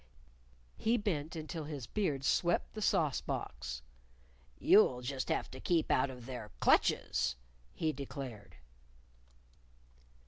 He bent until his beard swept the sauce box. "You'll just have to keep out of their clutches," he declared.